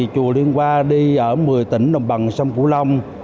chùa liên qua đi ở một mươi tỉnh đồng bằng sông cửu long